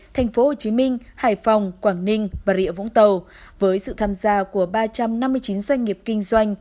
thành phố hồ chí minh hải phòng quảng ninh và rịa vũng tàu với sự tham gia của ba trăm năm mươi chín doanh nghiệp kinh doanh